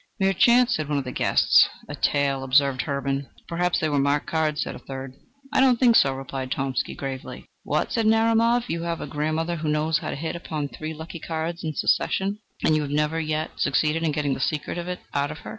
"Mere chance!" said one of the guests. "A tale!" observed Hermann. "Perhaps they were marked cards!" said a third. "I do not think so," replied Tomsky gravely. "What!" said Narumov, "you have a grandmother who knows how to hit upon three lucky cards in succession, and you have never yet succeeded in getting the secret of it out of her?"